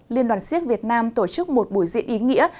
liên đoàn siếc việt nam tổ chức một buổi diễn ý nghĩa